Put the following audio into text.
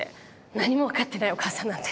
何も分かってないお母さんなんて！